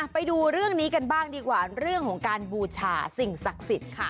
ไปดูเรื่องนี้กันบ้างดีกว่าเรื่องของการบูชาสิ่งศักดิ์สิทธิ์ค่ะ